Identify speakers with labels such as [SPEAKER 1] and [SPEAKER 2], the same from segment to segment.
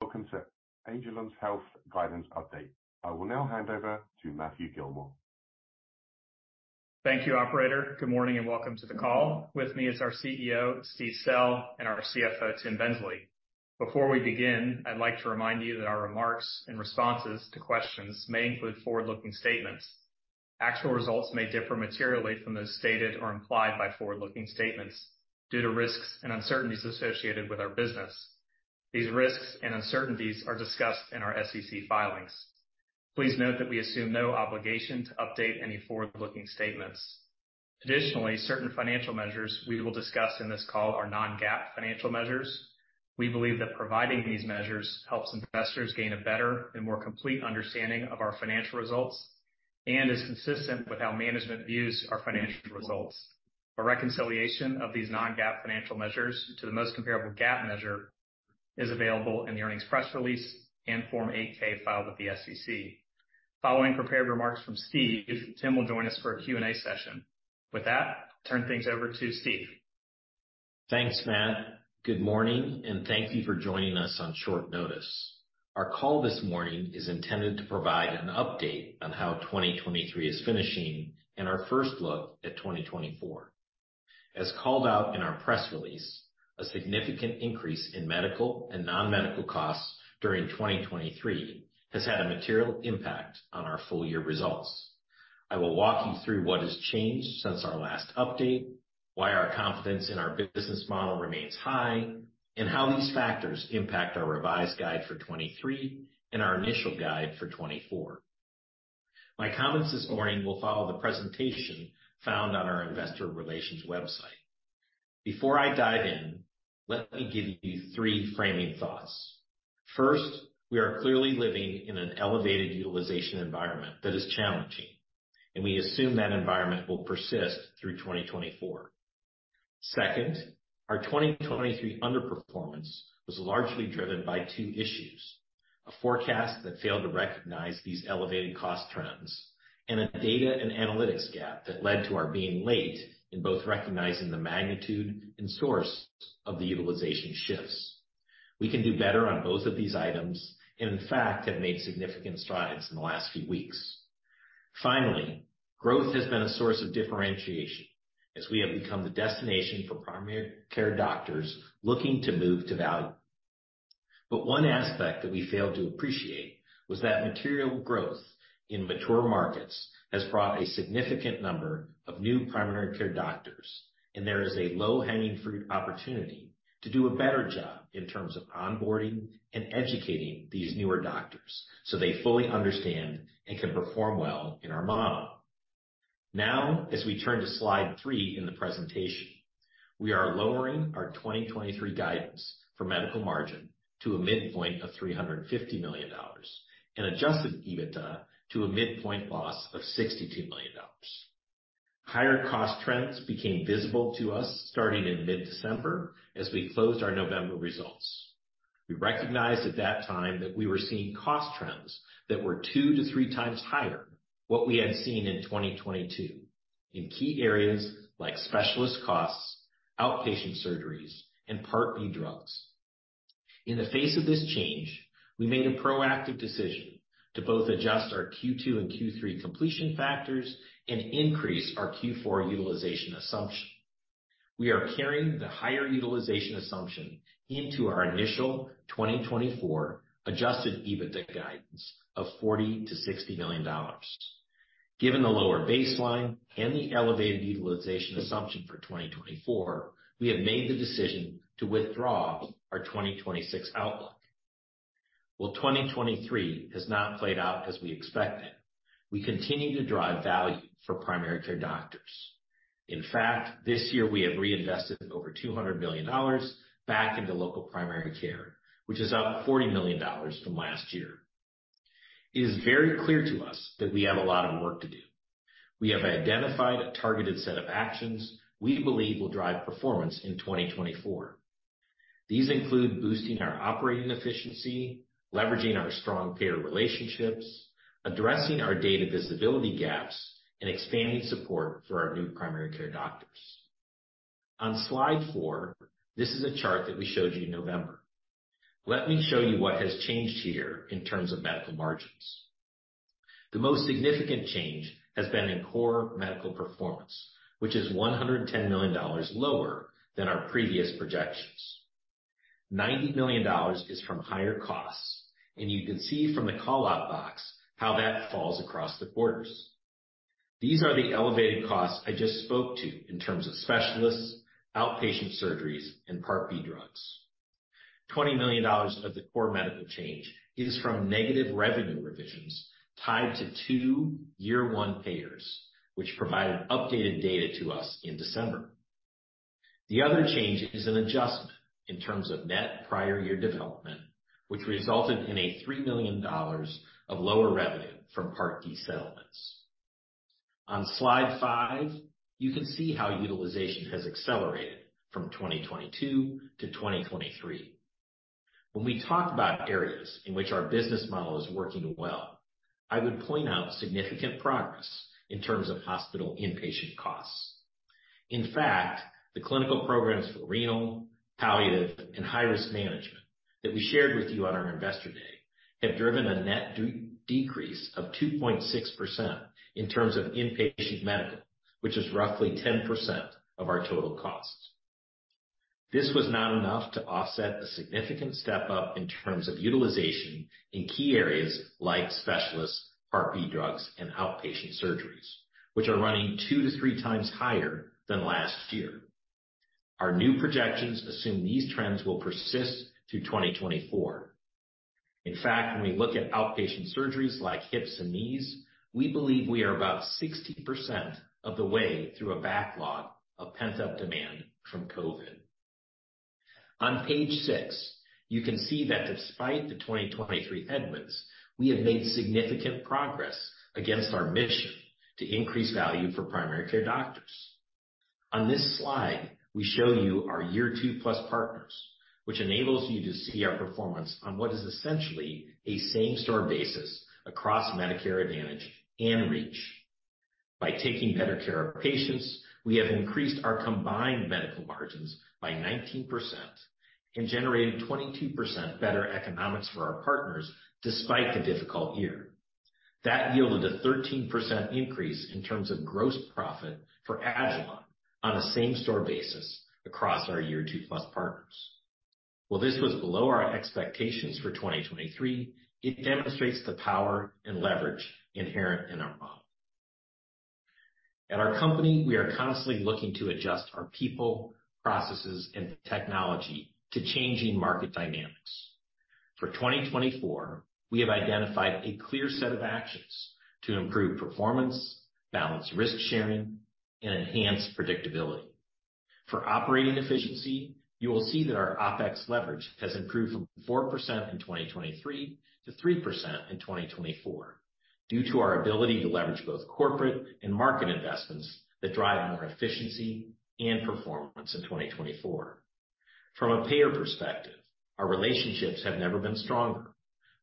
[SPEAKER 1] Welcome to agilon health Guidance Update. I will now hand over to Matthew Gillmor.
[SPEAKER 2] Thank you, operator. Good morning, and welcome to the call. With me is our CEO, Steve Sell, and our CFO, Tim Bensley. Before we begin, I'd like to remind you that our remarks and responses to questions may include forward-looking statements. Actual results may differ materially from those stated or implied by forward-looking statements due to risks and uncertainties associated with our business. These risks and uncertainties are discussed in our SEC filings. Please note that we assume no obligation to update any forward-looking statements. Additionally, certain financial measures we will discuss in this call are non-GAAP financial measures. We believe that providing these measures helps investors gain a better and more complete understanding of our financial results and is consistent with how management views our financial results. A reconciliation of these Non-GAAP financial measures to the most comparable GAAP measure is available in the earnings press release and Form 8-K filed with the SEC. Following prepared remarks from Steve, Tim will join us for a Q&A session. With that, I turn things over to Steve.
[SPEAKER 3] Thanks, Matt. Good morning, and thank you for joining us on short notice. Our call this morning is intended to provide an update on how 2023 is finishing and our first look at 2024. As called out in our press release, a significant increase in medical and non-medical costs during 2023 has had a material impact on our full year results. I will walk you through what has changed since our last update, why our confidence in our business model remains high, and how these factors impact our revised guide for 2023 and our initial guide for 2024. My comments this morning will follow the presentation found on our investor relations website. Before I dive in, let me give you three framing thoughts. First, we are clearly living in an elevated utilization environment that is challenging, and we assume that environment will persist through 2024. Second, our 2023 underperformance was largely driven by two issues: a forecast that failed to recognize these elevated cost trends and a data and analytics gap that led to our being late in both recognizing the magnitude and source of the utilization shifts. We can do better on both of these items and, in fact, have made significant strides in the last few weeks. Finally, growth has been a source of differentiation as we have become the destination for primary care doctors looking to move to value. But one aspect that we failed to appreciate was that material growth in mature markets has brought a significant number of new primary care doctors, and there is a low-hanging fruit opportunity to do a better job in terms of onboarding and educating these newer doctors so they fully understand and can perform well in our model. Now, as we turn to slide three in the presentation, we are lowering our 2023 guidance for medical margin to a midpoint of $350 million and adjusted EBITDA to a midpoint loss of $62 million. Higher cost trends became visible to us starting in mid-December as we closed our November results. We recognized at that time that we were seeing cost trends that were 2x-3x higher than what we had seen in 2022 in key areas like specialist costs, outpatient surgeries, and Part B drugs. In the face of this change, we made a proactive decision to both adjust our Q2 and Q3 completion factors and increase our Q4 utilization assumption. We are carrying the higher utilization assumption into our initial 2024 Adjusted EBITDA guidance of $40 million-$60 million. Given the lower baseline and the elevated utilization assumption for 2024, we have made the decision to withdraw our 2026 outlook. While 2023 has not played out as we expected, we continue to drive value for primary care doctors. In fact, this year we have reinvested over $200 million back into local primary care, which is up $40 million from last year. It is very clear to us that we have a lot of work to do. We have identified a targeted set of actions we believe will drive performance in 2024. These include boosting our operating efficiency, leveraging our strong payer relationships, addressing our data visibility gaps, and expanding support for our new primary care doctors. On slide four, this is a chart that we showed you in November. Let me show you what has changed here in terms of medical margins. The most significant change has been in core medical performance, which is $110 million lower than our previous projections. $90 million is from higher costs, and you can see from the call-out box how that falls across the quarters. These are the elevated costs I just spoke to in terms of specialists, outpatient surgeries, and Part B drugs. $20 million of the core medical change is from negative revenue revisions tied to two Year 1 payers, which provided updated data to us in December. The other change is an adjustment in terms of net prior year development, which resulted in $3 million of lower revenue from Part D settlements. On slide five, you can see how utilization has accelerated from 2022 to 2023. When we talked about areas in which our business model is working well, I would point out significant progress in terms of hospital inpatient costs. In fact, the clinical programs for renal, palliative, and high-risk management that we shared with you on our Investor Day have driven a net decrease of 2.6% in terms of inpatient medical, which is roughly 10% of our total costs. This was not enough to offset a significant step-up in terms of utilization in key areas like specialists, Part B drugs, and outpatient surgeries, which are running 2x-3x higher than last year. Our new projections assume these trends will persist through 2024. In fact, when we look at outpatient surgeries like hips and knees, we believe we are about 60% of the way through a backlog of pent-up demand from COVID. On page six, you can see that despite the 2023 headwinds, we have made significant progress against our mission to increase value for primary care doctors. On this slide, we show you our Year 2+ partners, which enables you to see our performance on what is essentially a same-store basis across Medicare Advantage and REACH. By taking better care of patients, we have increased our combined medical margins by 19% and generated 22% better economics for our partners, despite the difficult year. That yielded a 13% increase in terms of gross profit for Agilon on a same-store basis across our Year 2+ partners. While this was below our expectations for 2023, it demonstrates the power and leverage inherent in our model. At our company, we are constantly looking to adjust our people, processes, and technology to changing market dynamics. For 2024, we have identified a clear set of actions to improve performance, balance risk sharing, and enhance predictability. For operating efficiency, you will see that our OpEx leverage has improved from 4% in 2023 to 3% in 2024 due to our ability to leverage both corporate and market investments that drive more efficiency and performance in 2024. From a payer perspective, our relationships have never been stronger.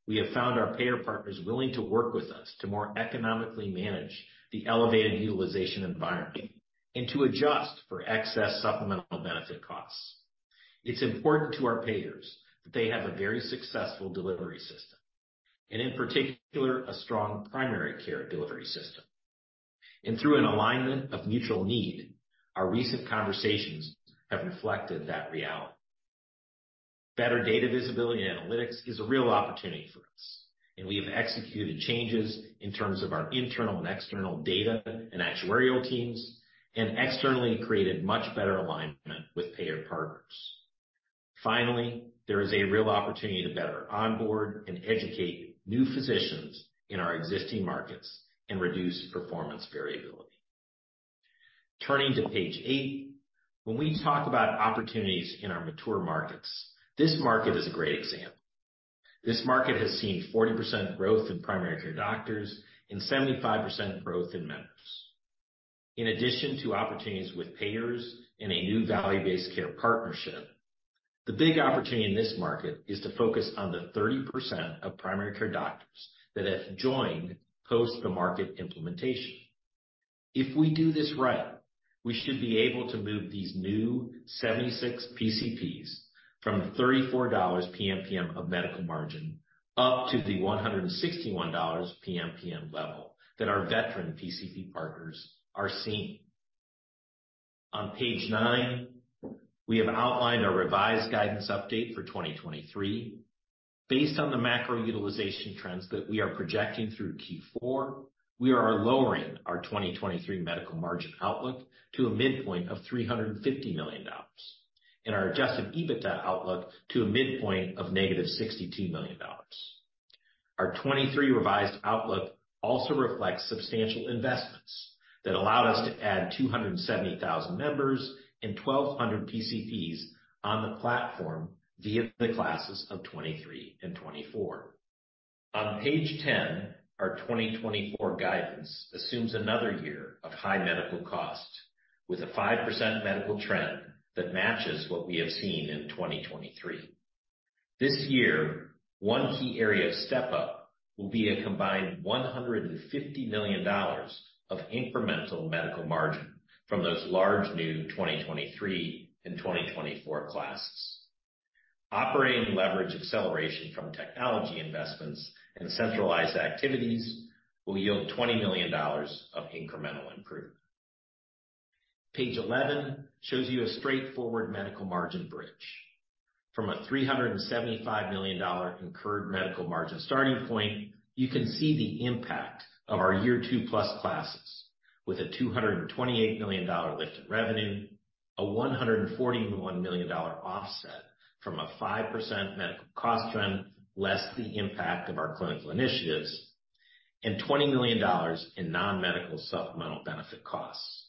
[SPEAKER 3] We have found our payer partners willing to work with us to more economically manage the elevated utilization environment and to adjust for excess supplemental benefit costs. It's important to our payers that they have a very successful delivery system, and in particular, a strong primary care delivery system. Through an alignment of mutual need, our recent conversations have reflected that reality. Better data visibility and analytics is a real opportunity for us, and we have executed changes in terms of our internal and external data and actuarial teams, and externally created much better alignment with payer partners. Finally, there is a real opportunity to better onboard and educate new physicians in our existing markets and reduce performance variability. Turning to page 8, when we talk about opportunities in our mature markets, this market is a great example. This market has seen 40% growth in primary care doctors and 75% growth in members. In addition to opportunities with payers in a new value-based care partnership, the big opportunity in this market is to focus on the 30% of primary care doctors that have joined post the market implementation. If we do this right, we should be able to move these new 76 PCPs from $34 PMPM of medical margin up to the $161 PMPM level that our veteran PCP partners are seeing. On page 9, we have outlined our revised guidance update for 2023. Based on the macro utilization trends that we are projecting through Q4, we are lowering our 2023 medical margin outlook to a midpoint of $350 million, and our Adjusted EBITDA outlook to a midpoint of -$62 million. Our 2023 revised outlook also reflects substantial investments that allowed us to add 270,000 members and 1,200 PCPs on the platform via the classes of 2023 and 2024. On page 10, our 2024 guidance assumes another year of high medical costs, with a 5% medical trend that matches what we have seen in 2023. This year, one key area of step-up will be a combined $150 million of incremental medical margin from those large new 2023 and 2024 classes. Operating leverage acceleration from technology investments and centralized activities will yield $20 million of incremental improvement. Page 11 shows you a straightforward medical margin bridge. From a $375 million incurred medical margin starting point, you can see the impact of our Year 2+ classes with a $228 million lift in revenue, a $141 million offset from a 5% medical cost trend, less the impact of our clinical initiatives, and $20 million in non-medical supplemental benefit costs.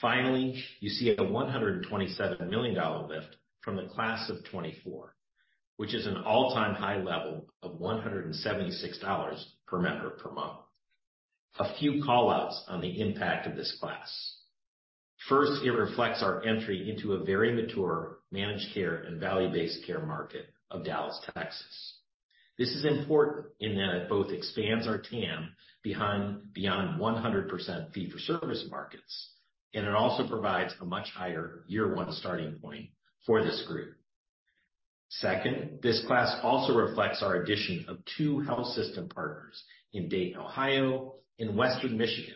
[SPEAKER 3] Finally, you see a $127 million lift from the Class of 2024, which is an all-time high level of $176 per member per month. A few call-outs on the impact of this class. First, it reflects our entry into a very mature managed care and value-based care market of Dallas, Texas.... This is important in that it both expands our TAM beyond 100% fee-for-service markets, and it also provides a much higher year 1 starting point for this group. Second, this class also reflects our addition of 2 health system partners in Dayton, Ohio, and Western Michigan,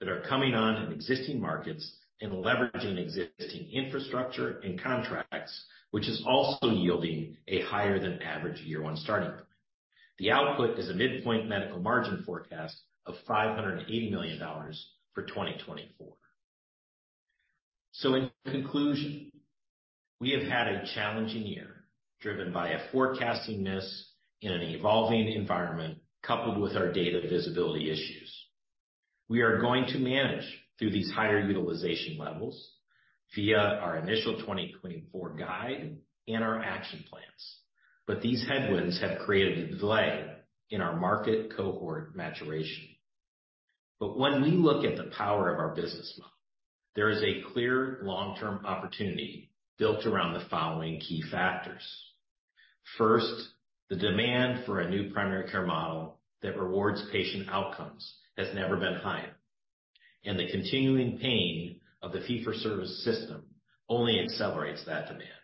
[SPEAKER 3] that are coming on in existing markets and leveraging existing infrastructure and contracts, which is also yielding a higher than average year 1 starting point. The output is a midpoint medical margin forecast of $580 million for 2024. So in conclusion, we have had a challenging year, driven by a forecasting miss in an evolving environment, coupled with our data visibility issues. We are going to manage through these higher utilization levels via our initial 2024 guide and our action plans, but these headwinds have created a delay in our market cohort maturation. But when we look at the power of our business model, there is a clear long-term opportunity built around the following key factors. First, the demand for a new primary care model that rewards patient outcomes has never been higher, and the continuing pain of the fee-for-service system only accelerates that demand.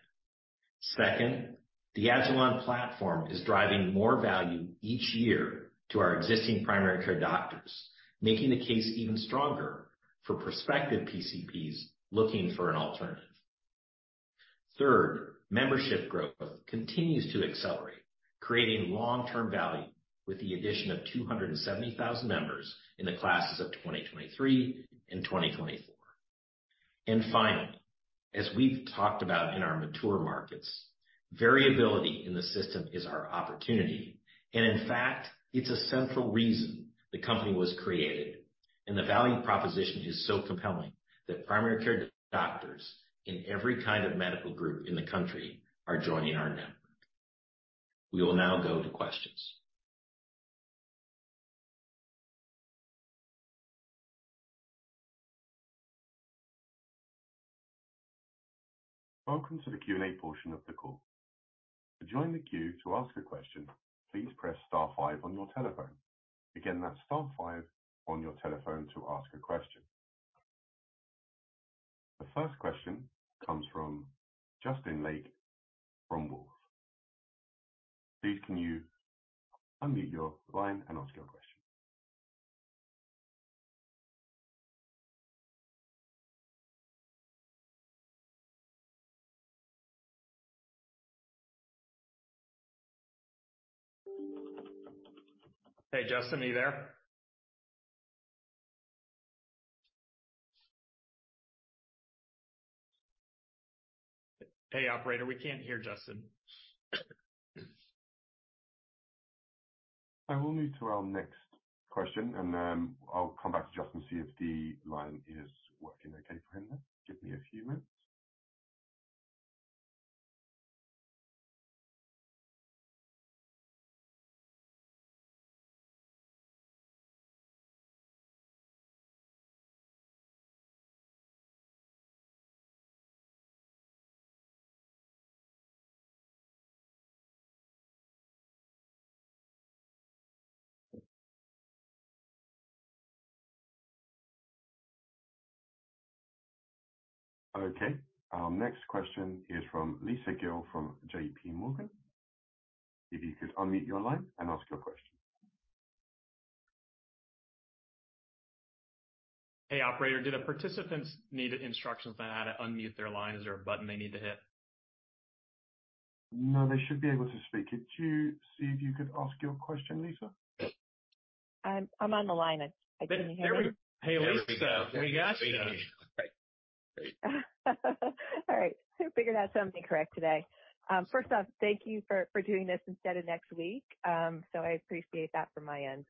[SPEAKER 3] Second, the agilon platform is driving more value each year to our existing primary care doctors, making the case even stronger for prospective PCPs looking for an alternative. Third, membership growth continues to accelerate, creating long-term value with the addition of 270,000 members in the classes of 2023 and 2024. And finally, as we've talked about in our mature markets, variability in the system is our opportunity, and in fact, it's a central reason the company was created. The value proposition is so compelling that primary care doctors in every kind of medical group in the country are joining our network. We will now go to questions.
[SPEAKER 1] Welcome to the Q&A portion of the call. To join the queue to ask a question, please press star five on your telephone. Again, that's star five on your telephone to ask a question. The first question comes from Justin Lake from Wolfe. Please, can you unmute your line and ask your question?
[SPEAKER 2] Hey, Justin, are you there? Hey, operator, we can't hear Justin.
[SPEAKER 1] I will move to our next question, and, I'll come back to Justin and see if the line is working okay for him. Give me a few minutes. Okay, our next question is from Lisa Gill, from JPMorgan. If you could unmute your line and ask your question.
[SPEAKER 2] Hey, operator, did the participants need instructions on how to unmute their line? Is there a button they need to hit?
[SPEAKER 1] No, they should be able to speak. Could you see if you could ask your question, Lisa?
[SPEAKER 4] I'm on the line. Can you hear me?
[SPEAKER 2] Hey, Lisa. We got you.
[SPEAKER 3] Great.
[SPEAKER 4] All right. I figured out something correct today. First off, thank you for doing this instead of next week. So I appreciate that from my end.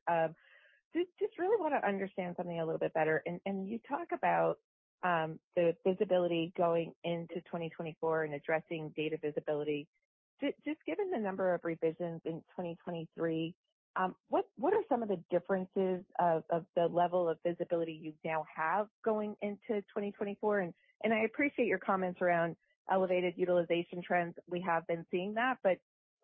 [SPEAKER 4] Just really want to understand something a little bit better. And you talk about the visibility going into 2024 and addressing data visibility. Just given the number of revisions in 2023, what are some of the differences of the level of visibility you now have going into 2024? And I appreciate your comments around elevated utilization trends. We have been seeing that, but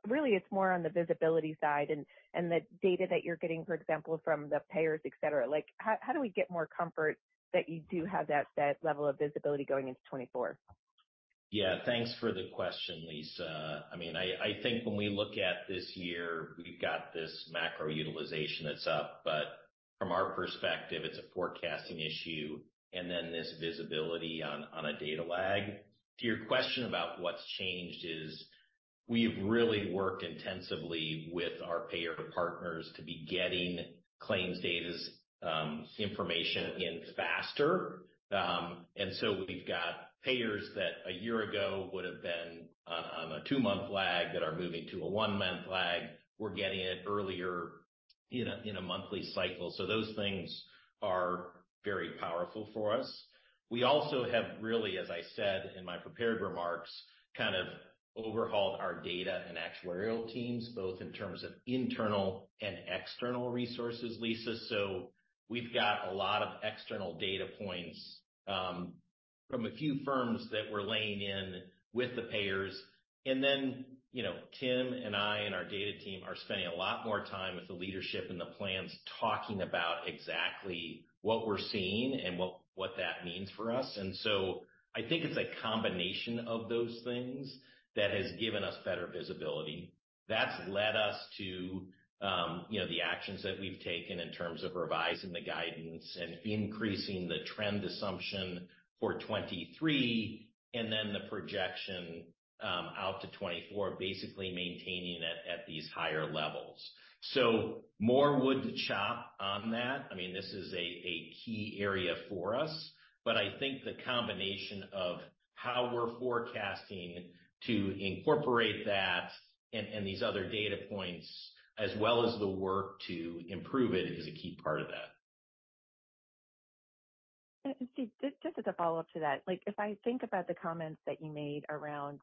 [SPEAKER 4] really it's more on the visibility side and the data that you're getting, for example, from the payers, et cetera. Like, how do we get more comfort that you do have that level of visibility going into 2024?
[SPEAKER 3] Yeah, thanks for the question, Lisa. I mean, I, I think when we look at this year, we've got this macro utilization that's up, but from our perspective, it's a forecasting issue, and then this visibility on, on a data lag. To your question about what's changed is, we've really worked intensively with our payer partners to be getting claims data's information in faster. And so we've got payers that a year ago would have been on, on a two-month lag, that are moving to a one-month lag. We're getting it earlier in a, in a monthly cycle. So those things are very powerful for us. We also have really, as I said in my prepared remarks, kind of overhauled our data and actuarial teams, both in terms of internal and external resources, Lisa. So we've got a lot of external data points. from a few firms that we're laying in with the payers, and then, you know, Tim and I and our data team are spending a lot more time with the leadership and the plans, talking about exactly what we're seeing and what that means for us. So I think it's a combination of those things that has given us better visibility. That's led us to, you know, the actions that we've taken in terms of revising the guidance and increasing the trend assumption for 2023, and then the projection out to 2024, basically maintaining it at these higher levels. So more wood to chop on that. I mean, this is a key area for us, but I think the combination of how we're forecasting to incorporate that and these other data points, as well as the work to improve it, is a key part of that.
[SPEAKER 4] Steve, just as a follow-up to that, like, if I think about the comments that you made around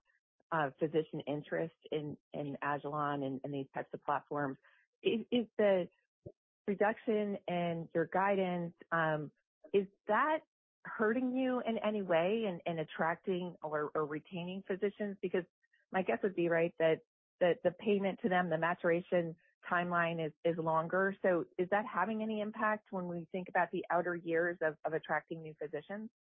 [SPEAKER 4] physician interest in Agilon and these types of platforms, is the reduction in your guidance is that hurting you in any way in attracting or retaining physicians? Because my guess would be right, that the payment to them, the maturation timeline is longer. So is that having any impact when we think about the outer years of attracting new physicians?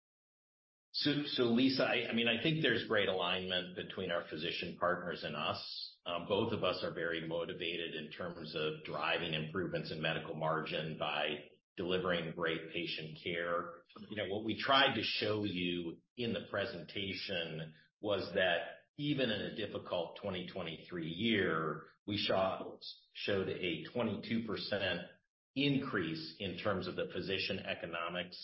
[SPEAKER 3] Lisa, I mean, I think there's great alignment between our physician partners and us. Both of us are very motivated in terms of driving improvements in medical margin by delivering great patient care. You know, what we tried to show you in the presentation was that even in a difficult 2023 year, we showed a 22% increase in terms of the physician economics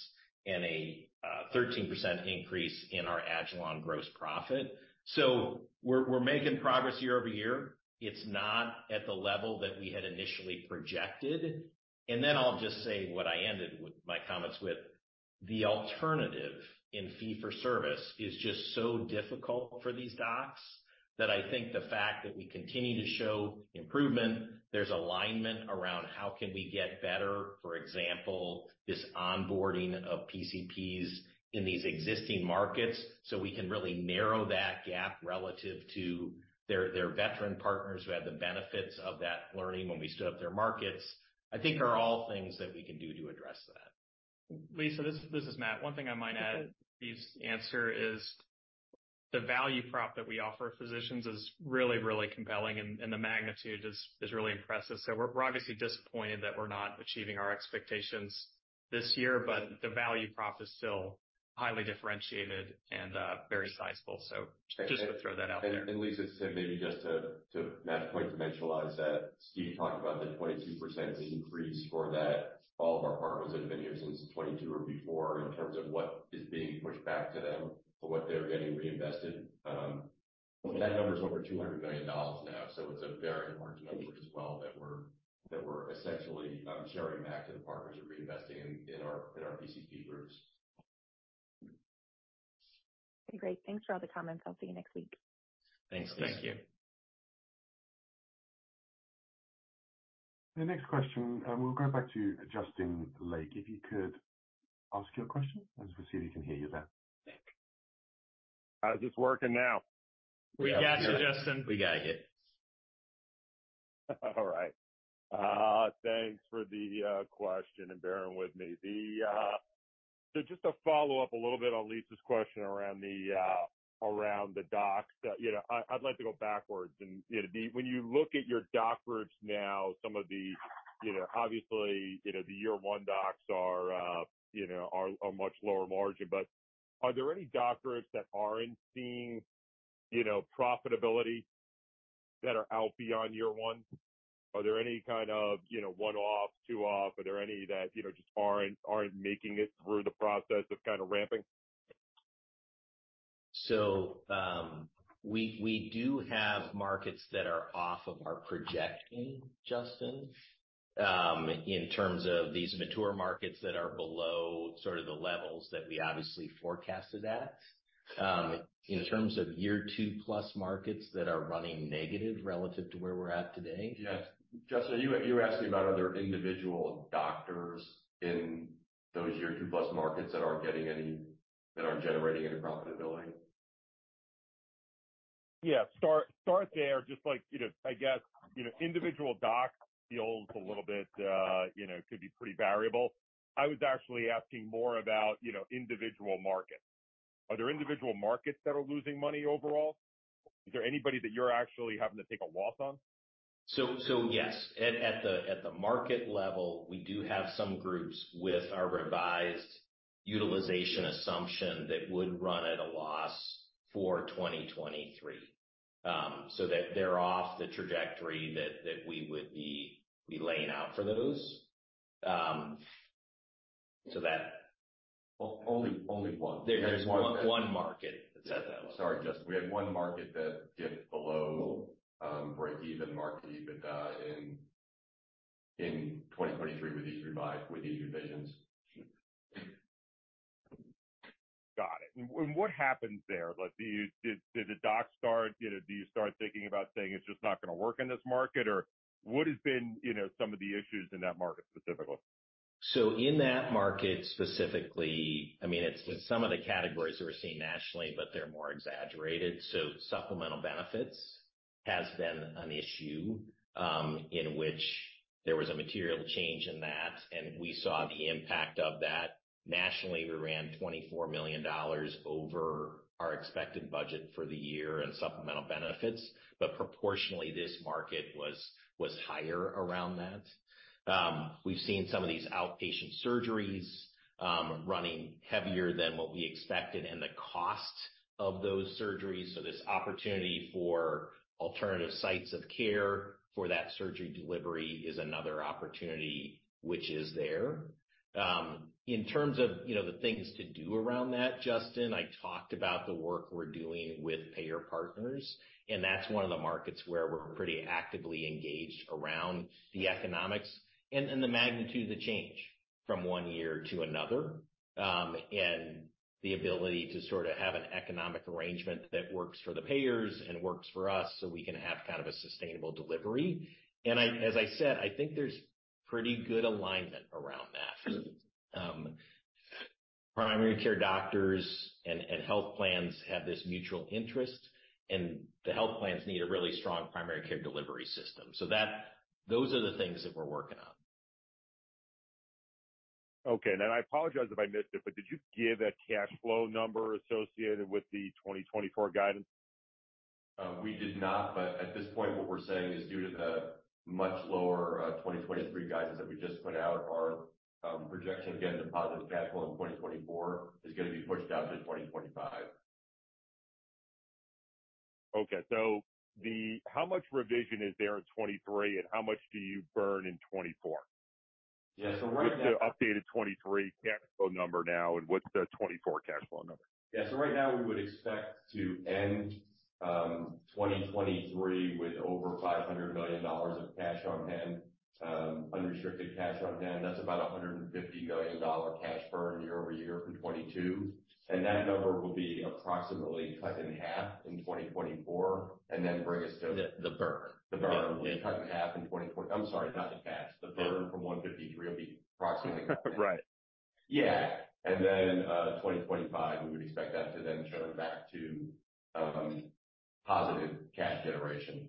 [SPEAKER 3] and a 13% increase in our Agilon gross profit. So we're making progress year-over-year. It's not at the level that we had initially projected. Then I'll just say what I ended with my comments with, the alternative in fee for service is just so difficult for these docs, that I think the fact that we continue to show improvement, there's alignment around how can we get better. For example, this onboarding of PCPs in these existing markets, so we can really narrow that gap relative to their, their veteran partners who have the benefits of that learning when we stood up their markets, I think are all things that we can do to address that.
[SPEAKER 2] Lisa, this is Matt. One thing I might add to Steve's answer is the value prop that we offer physicians is really, really compelling, and the magnitude is really impressive. So we're obviously disappointed that we're not achieving our expectations this year, but the value prop is still highly differentiated and very sizable. So just to throw that out there.
[SPEAKER 5] Lisa, Tim, maybe just to Matt's point, to dimensionalize that, Steve talked about the 22% increase for that all of our partners that have been here since 2022 or before, in terms of what is being pushed back to them or what they're getting reinvested. That number is over $200 million now, so it's a very important number as well, that we're essentially sharing back to the partners and reinvesting in our PCP groups.
[SPEAKER 4] Great. Thanks for all the comments. I'll see you next week.
[SPEAKER 2] Thanks.
[SPEAKER 3] Thank you.
[SPEAKER 1] The next question, we'll go back to Justin Lake. If you could ask your question, and we'll see if we can hear you there.
[SPEAKER 6] How is this working now?
[SPEAKER 2] We got you, Justin.
[SPEAKER 3] We got you.
[SPEAKER 6] All right. Thanks for the question, and bearing with me. So just to follow up a little bit on Lisa's question around the docs. You know, I'd like to go backwards and, you know, when you look at your doc groups now, some of the, you know, obviously, you know, the Year 1 docs are, you know, are much lower margin. But are there any doctor groups that aren't seeing, you know, profitability that are out beyond Year 1? Are there any kind of, you know, one-off, two-off? Are there any that, you know, just aren't making it through the process of kind of ramping?
[SPEAKER 3] So, we do have markets that are off of our projection, Justin, in terms of these mature markets that are below sort of the levels that we obviously forecasted at. In terms of Year 2+ markets that are running negative relative to where we're at today-
[SPEAKER 5] Yes, Justin, you asked me about other individual doctors in those Year 2+ markets that aren't getting any, that aren't generating any profitability.
[SPEAKER 6] Yeah. Start there, just like, you know, I guess, you know, individual docs feels a little bit, you know, could be pretty variable. I was actually asking more about, you know, individual markets. Are there individual markets that are losing money overall? Is there anybody that you're actually having to take a loss on?
[SPEAKER 3] So yes, at the market level, we do have some groups with our revised utilization assumption that would run at a loss for 2023. So that they're off the trajectory that we would be laying out for those. So that-
[SPEAKER 5] Only one.
[SPEAKER 3] There's one market that says that.
[SPEAKER 5] Sorry, Justin. We had one market that dipped below break-even mark, even in 2023 with these revisions.
[SPEAKER 6] Got it. What happens there? Like, do you... Did the docs start, you know, do you start thinking about saying, "It's just not gonna work in this market," or what has been, you know, some of the issues in that market specifically?...
[SPEAKER 3] So in that market specifically, I mean, it's some of the categories that we're seeing nationally, but they're more exaggerated. So Supplemental Benefits has been an issue, in which there was a material change in that, and we saw the impact of that. Nationally, we ran $24 million over our expected budget for the year in Supplemental Benefits, but proportionally, this market was higher around that. We've seen some of these outpatient surgeries running heavier than what we expected and the cost of those surgeries. So this opportunity for alternative sites of care for that surgery delivery is another opportunity which is there. In terms of, you know, the things to do around that, Justin, I talked about the work we're doing with payer partners, and that's one of the markets where we're pretty actively engaged around the economics and, and the magnitude of the change from one year to another, and the ability to sort of have an economic arrangement that works for the payers and works for us, so we can have kind of a sustainable delivery. And I-- as I said, I think there's pretty good alignment around that. Primary care doctors and, and health plans have this mutual interest, and the health plans need a really strong primary care delivery system. So that-- those are the things that we're working on.
[SPEAKER 6] Okay, and I apologize if I missed it, but did you give a cash flow number associated with the 2024 guidance?
[SPEAKER 5] We did not. But at this point, what we're saying is due to the much lower 2023 guidance that we just put out, our projection, again, to positive cash flow in 2024 is gonna be pushed out to 2025.
[SPEAKER 6] Okay, so how much revision is there in 2023, and how much do you burn in 2024?
[SPEAKER 3] Yeah, so right now-
[SPEAKER 6] What's the updated 2023 cash flow number now, and what's the 2024 cash flow number?
[SPEAKER 5] Yeah. So right now we would expect to end 2023 with over $500 million of cash on hand, unrestricted cash on hand. That's about $150 million cash burn year-over-year from 2022, and that number will be approximately cut in half in 2024, and then bring us to-
[SPEAKER 3] The burn.
[SPEAKER 5] The burn will be cut in half in 2020. I'm sorry, not the cash, the burn from $153 will be approximately-
[SPEAKER 6] Right.
[SPEAKER 5] Yeah. And then, 2025, we would expect that to then turn back to positive cash generation.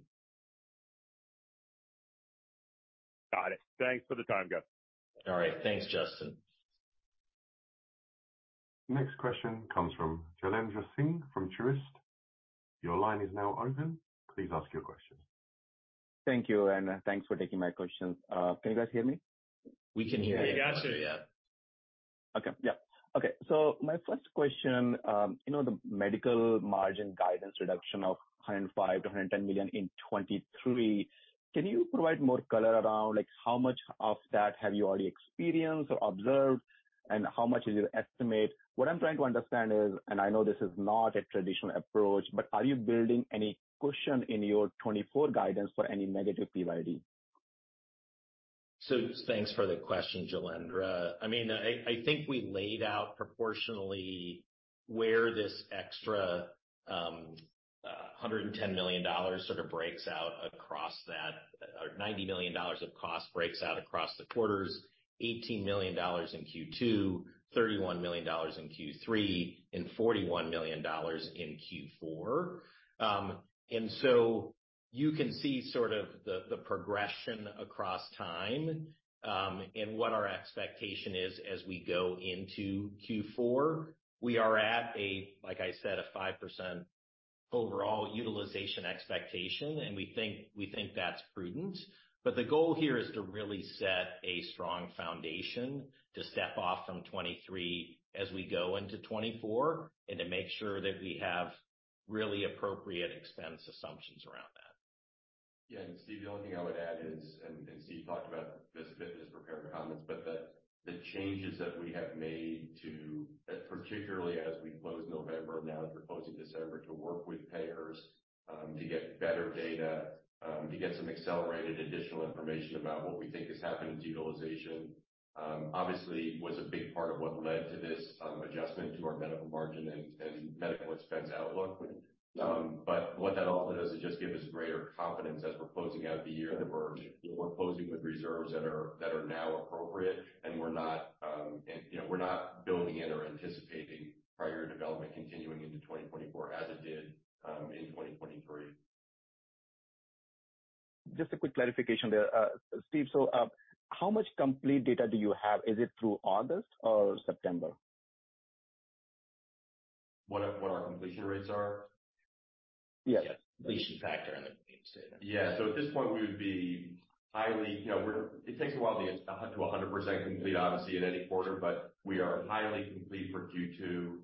[SPEAKER 6] Got it. Thanks for the time, guys.
[SPEAKER 3] All right. Thanks, Justin.
[SPEAKER 1] Next question comes from Jailendra Singh from Truist. Your line is now open. Please ask your question.
[SPEAKER 7] Thank you, and thanks for taking my question. Can you guys hear me?
[SPEAKER 3] We can hear you.
[SPEAKER 5] We got you, yeah.
[SPEAKER 7] Okay. Yeah. Okay, so my first question, you know, the medical margin guidance reduction of $105 million-$110 million in 2023, can you provide more color around, like, how much of that have you already experienced or observed, and how much is your estimate? What I'm trying to understand is, and I know this is not a traditional approach, but are you building any cushion in your 2024 guidance for any negative PYD?
[SPEAKER 3] So thanks for the question, Jailendra. I mean, I think we laid out proportionally where this extra $110 million sort of breaks out across that, or $90 million of cost breaks out across the quarters. $18 million in Q2, $31 million in Q3, and $41 million in Q4. And so you can see sort of the progression across time, and what our expectation is as we go into Q4. We are at, like I said, a 5% overall utilization expectation, and we think that's prudent. But the goal here is to really set a strong foundation to step off from 2023 as we go into 2024, and to make sure that we have really appropriate expense assumptions around that.
[SPEAKER 5] Yeah, and Steve, the only thing I would add is, and, and Steve talked about this a bit in his prepared comments, but the, the changes that we have made to, particularly as we close November, now as we're closing December, to work with payers, to get better data, to get some accelerated additional information about what we think is happening to utilization. Obviously, was a big part of what led to this, adjustment to our medical margin and, and medical expense outlook. But what that also does is just give us greater confidence as we're closing out the year, that we're, we're closing with reserves that are, that are now appropriate, and we're not, and, you know, we're not building in or anticipating prior development continuing into 2024 as it did, in 2023.
[SPEAKER 7] Just a quick clarification there. Steve, so, how much complete data do you have? Is it through August or September?
[SPEAKER 5] What our completion rates are?
[SPEAKER 7] Yes.
[SPEAKER 3] Yeah. Completion factor in the statement.
[SPEAKER 5] Yeah. So at this point, we would be highly complete. You know, it takes a while to be 100% complete, obviously, in any quarter, but we are highly complete for Q2.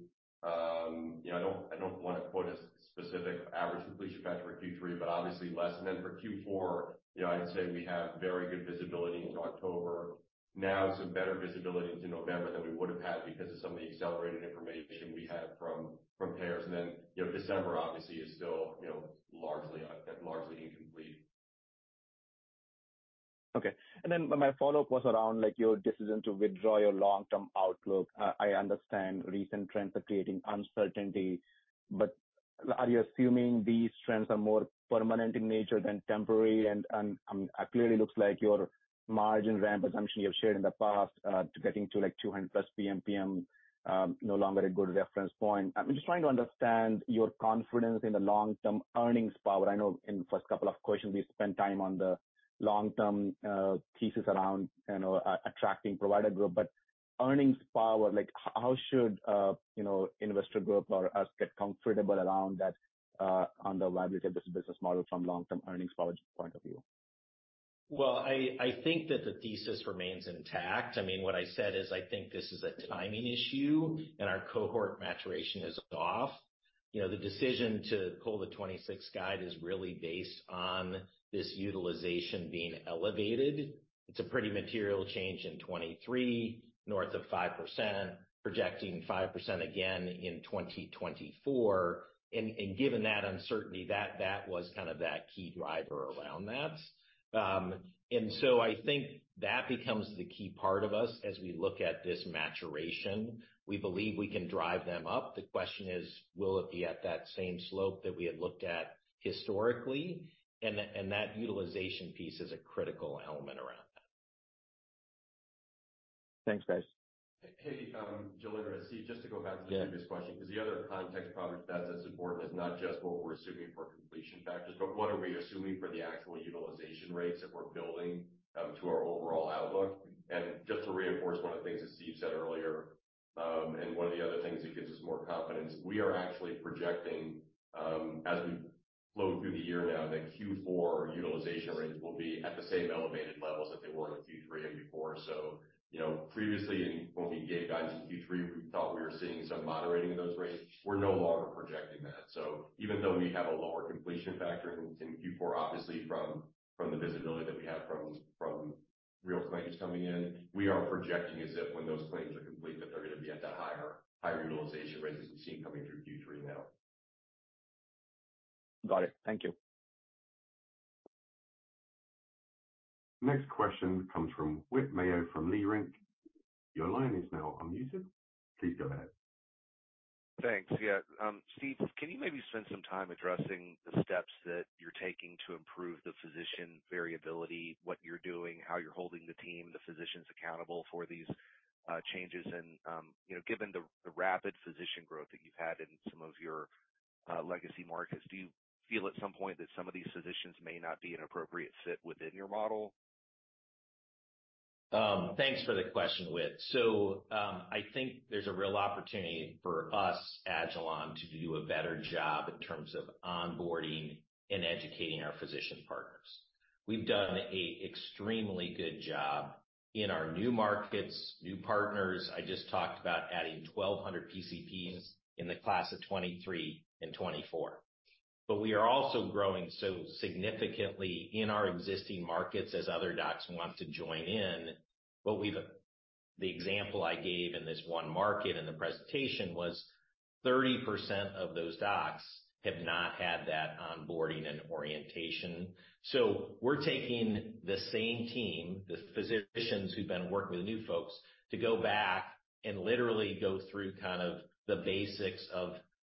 [SPEAKER 5] You know, I don't, I don't want to quote a specific average completion factor for Q3, but obviously less. And then for Q4, you know, I'd say we have very good visibility into October. Now, some better visibility into November than we would have had because of some of the accelerated information we had from payers. And then, you know, December obviously is still, you know, largely incomplete.
[SPEAKER 7] Okay, and then my follow-up was around, like, your decision to withdraw your long-term outlook. I understand recent trends are creating uncertainty, but, are you assuming these trends are more permanent in nature than temporary? And, clearly looks like your margin ramp assumption you have shared in the past, to getting to, like, 200+ PMPM, no longer a good reference point. I'm just trying to understand your confidence in the long-term earnings power. I know in the first couple of questions, we spent time on the long-term thesis around, you know, attracting provider group. But earnings power, like, how should, you know, investor group or us get comfortable around that, on the viability of this business model from long-term earnings power point of view?
[SPEAKER 3] Well, I think that the thesis remains intact. I mean, what I said is, I think this is a timing issue, and our cohort maturation is off. You know, the decision to pull the 2026 guide is really based on this utilization being elevated. It's a pretty material change in 2023, north of 5%, projecting 5% again in 2024. And given that uncertainty, that was kind of that key driver around that. And so I think that becomes the key part of us as we look at this maturation. We believe we can drive them up. The question is, will it be at that same slope that we had looked at historically? And that utilization piece is a critical element around that.
[SPEAKER 7] Thanks, guys.
[SPEAKER 5] Hey, Jailendra and Steve, just to go back to the-
[SPEAKER 3] Yeah.
[SPEAKER 5] Previous question, because the other context, probably that's as important, is not just what we're assuming for completion factors, but what are we assuming for the actual utilization rates that we're building to our overall outlook? And just to reinforce one of the things that Steve said earlier, and one of the other things that gives us more confidence, we are actually projecting, as we've flowed through the year now, that Q4 utilization rates will be at the same elevated levels that they were in Q3 and before. So, you know, previously, and when we gave guidance in Q3, we thought we were seeing some moderating of those rates. We're no longer projecting that. So even though we have a lower completion factor in Q4, obviously from the visibility that we have from real claims coming in, we are projecting as if when those claims are complete, that they're going to be at the higher utilization rates that we've seen coming through Q3 now.
[SPEAKER 7] Got it. Thank you.
[SPEAKER 1] Next question comes from Whit Mayo from Leerink. Your line is now unmuted. Please go ahead.
[SPEAKER 8] Thanks. Yeah. Steve, can you maybe spend some time addressing the steps that you're taking to improve the physician variability, what you're doing, how you're holding the team, the physicians accountable for these changes? And, you know, given the rapid physician growth that you've had in some of your legacy markets, do you feel at some point that some of these physicians may not be an appropriate fit within your model?
[SPEAKER 3] Thanks for the question, Whit. So, I think there's a real opportunity for us, Agilon, to do a better job in terms of onboarding and educating our physician partners. We've done a extremely good job in our new markets, new partners. I just talked about adding 1,200 PCPs in the Class of 2023 and 2024. But we are also growing so significantly in our existing markets as other docs want to join in, but the example I gave in this one market in the presentation was 30% of those docs have not had that onboarding and orientation. So we're taking the same team, the physicians who've been working with new folks, to go back and literally go through kind of the basics of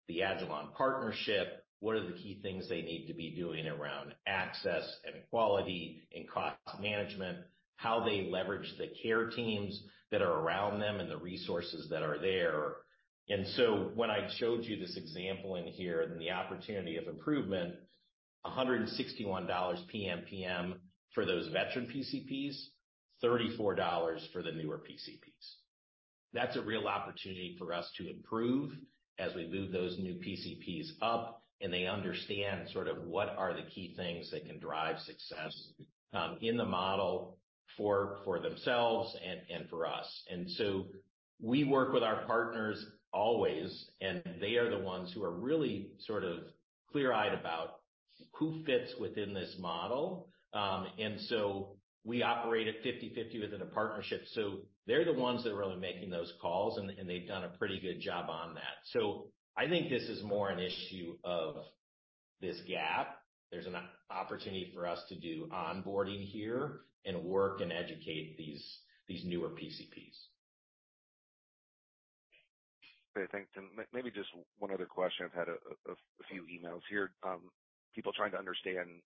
[SPEAKER 3] the Agilon partnership. What are the key things they need to be doing around access and quality and cost management, how they leverage the care teams that are around them and the resources that are there. And so when I showed you this example in here and the opportunity of improvement, $161 PMPM for those veteran PCPs, $34 for the newer PCPs. That's a real opportunity for us to improve as we move those new PCPs up, and they understand sort of what are the key things that can drive success, in the model for themselves and for us. And so we work with our partners always, and they are the ones who are really sort of clear-eyed about who fits within this model. And so we operate at 50/50 within a partnership, so they're the ones that are really making those calls, and they've done a pretty good job on that. So I think this is more an issue of this gap. There's an opportunity for us to do onboarding here and work and educate these newer PCPs.
[SPEAKER 8] Okay, thanks. Then maybe just one other question. I've had a few emails here. People trying to understand, you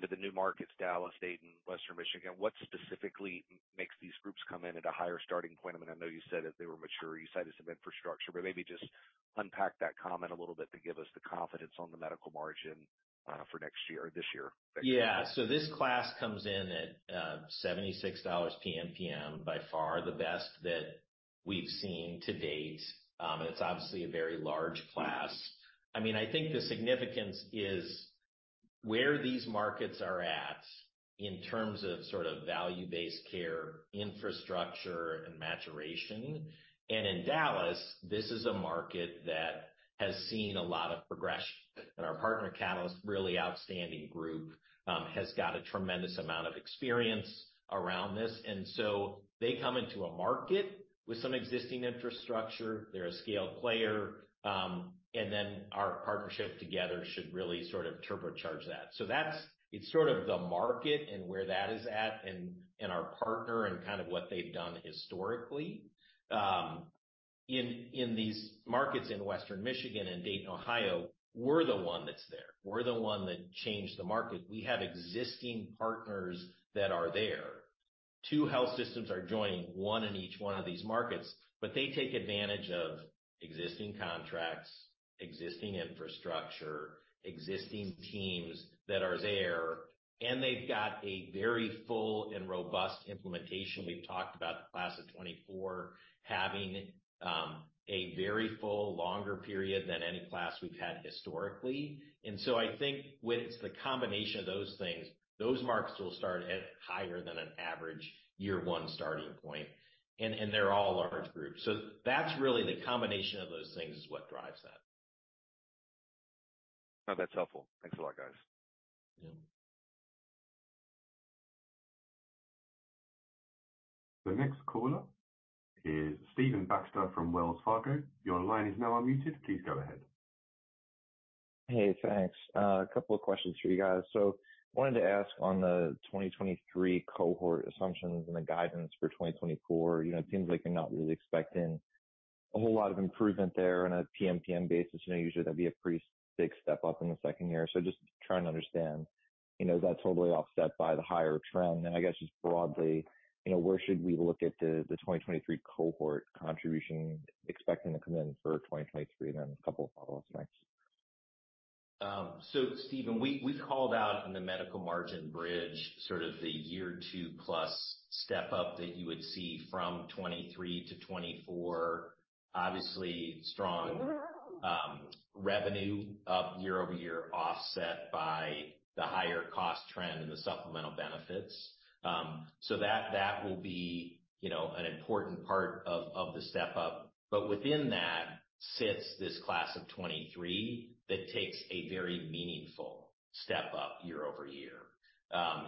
[SPEAKER 8] know, the new markets, Dallas, Dayton, Western Michigan, what specifically makes these groups come in at a higher starting point? I mean, I know you said that they were mature, you cited some infrastructure, but maybe just unpack that comment a little bit to give us the confidence on the medical margin, for next year or this year.
[SPEAKER 3] Yeah. So this class comes in at $76 PMPM, by far the best that we've seen to date. And it's obviously a very large class. I mean, I think the significance is where these markets are at in terms of sort of value-based care, infrastructure and maturation. And in Dallas, this is a market that has seen a lot of progression, and our partner, Catalyst, really outstanding group, has got a tremendous amount of experience around this. And so they come into a market with some existing infrastructure. They're a scaled player, and then our partnership together should really sort of turbocharge that. So that's it sort of the market and where that is at and our partner and kind of what they've done historically. In these markets in Western Michigan and Dayton, Ohio, we're the one that's there. We're the one that changed the market. We have existing partners that are there. Two health systems are joining, one in each one of these markets, but they take advantage of existing contracts, existing infrastructure, existing teams that are there, and they've got a very full and robust implementation. We've talked about the Class of 2024 having a very full, longer period than any class we've had historically. And so I think when it's the combination of those things, those markets will start at higher than an average Year 1 starting point, and they're all large groups. So that's really the combination of those things is what drives that.
[SPEAKER 8] No, that's helpful. Thanks a lot, guys.
[SPEAKER 3] Yeah.
[SPEAKER 2] The next caller is Stephen Baxter from Wells Fargo. Your line is now unmuted. Please go ahead.
[SPEAKER 9] Hey, thanks. A couple of questions for you guys. So I wanted to ask on the 2023 cohort assumptions and the guidance for 2024, you know, it seems like you're not really expecting a whole lot of improvement there on a PMPM basis. You know, usually that'd be a pretty big step up in the second year. So just trying to understand, you know, is that totally offset by the higher trend? And I guess just broadly, you know, where should we look at the, the 2023 cohort contribution expecting to come in for 2023? And then a couple of follow-up thanks.
[SPEAKER 3] So Steve, we called out in the medical margin bridge sort of the year 2+ step up that you would see from 2023 to 2024. Obviously, strong revenue up year-over-year, offset by the higher cost trend and the Supplemental Benefits. So that will be, you know, an important part of the step up. But within that sits this Class of 2023 that takes a very meaningful step up year-over-year.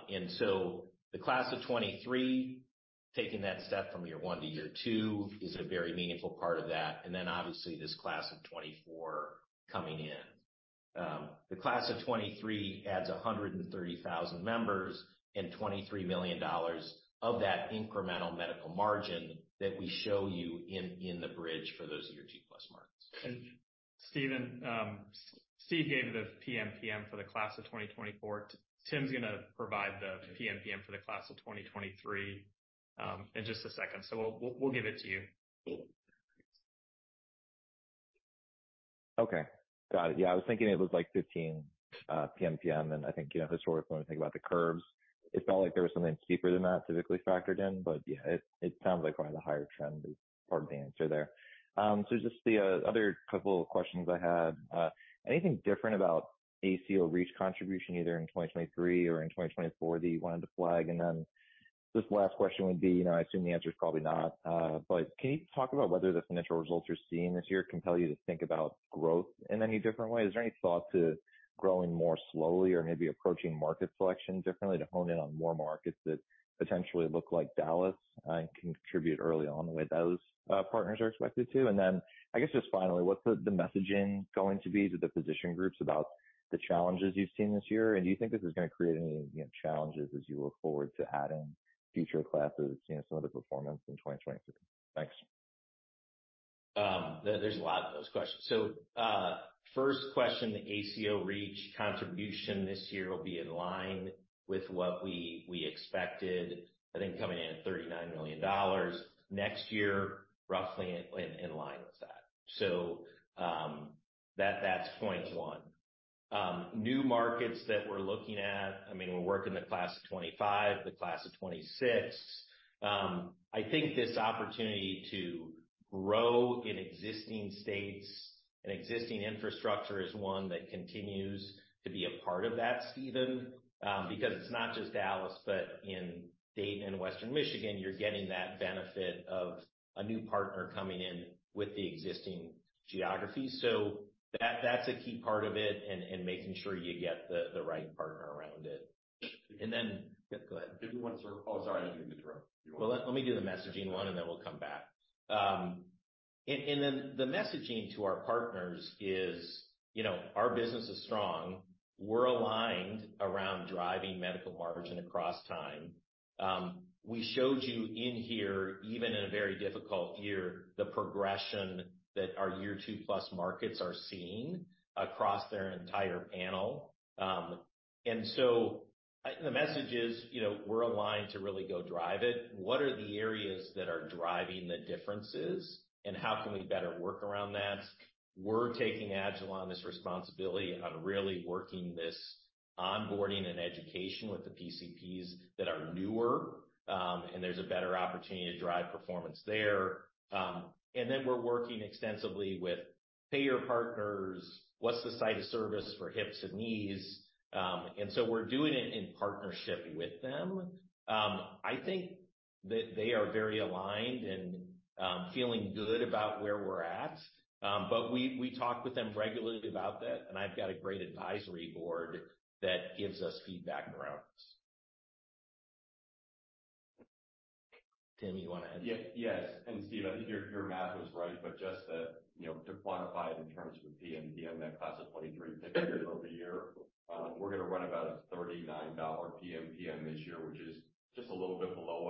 [SPEAKER 3] And so the Class of 2023, taking that step from Year 1 to Year 2, is a very meaningful part of that, and then obviously this Class of 2024 coming in. The Class of 2023 adds 130,000 members and $23 million of that incremental medical margin that we show you in the bridge for those year 2+ markets. Steve gave the PMPM for the Class of 2024. Tim's gonna provide the PMPM for the Class of 2023 in just a second. So we'll give it to you.
[SPEAKER 9] Okay, got it. Yeah, I was thinking it was like 15 PMPM, and I think, you know, historically, when I think about the curves, it felt like there was something steeper than that typically factored in, but, yeah, it, it sounds like one of the higher trends is part of the answer there. So just the other couple of questions I had, anything different about ACO REACH contribution, either in 2023 or in 2024, that you wanted to flag? And then this last question would be, you know, I assume the answer is probably not, but can you talk about whether the financial results you're seeing this year compel you to think about growth in any different way? Is there any thought to growing more slowly or maybe approaching market selection differently to hone in on more markets that potentially look like Dallas and contribute early on the way those partners are expected to? And then I guess just finally, what's the messaging going to be to the physician groups about the challenges you've seen this year? And do you think this is gonna create any, you know, challenges as you look forward to adding future classes, you know, some of the performance in 2023? Thanks.
[SPEAKER 3] There's a lot of those questions. So, first question, the ACO REACH contribution this year will be in line with what we expected, I think, coming in at $39 million. Next year, roughly in line with that. So, that's point one. New markets that we're looking at, I mean, we're working the Class of 2025, the Class of 2026. I think this opportunity to grow in existing states and existing infrastructure is one that continues to be a part of that, Steve, because it's not just Dallas, but in Dayton and Western Michigan, you're getting that benefit of a new partner coming in with the existing geography. So that's a key part of it and making sure you get the right partner around it. And then... Go ahead.
[SPEAKER 9] If you want to sort of... Oh, sorry, I didn't mean to interrupt.
[SPEAKER 3] Well, let me do the messaging one, and then we'll come back. And then the messaging to our partners is, you know, our business is strong. We're aligned around driving medical margin across time. We showed you in here, even in a very difficult year, the progression that our Year 2+ markets are seeing across their entire panel. And so the message is, you know, we're aligned to really go drive it. What are the areas that are driving the differences, and how can we better work around that? We're taking Agilon this responsibility on really working this onboarding and education with the PCPs that are newer, and there's a better opportunity to drive performance there. And then we're working extensively with payer partners. What's the site of service for hips and knees? And so we're doing it in partnership with them. I think that they are very aligned and feeling good about where we're at. But we talk with them regularly about that, and I've got a great advisory board that gives us feedback around this. Tim, you want to add?
[SPEAKER 5] Yeah. Yes, and Steve, I think your, your math was right, but just to, you know, to quantify it in terms of a PMPM, that Class of 2023 over a year, we're gonna run about a $39 PMPM this year, which is just a little bit below.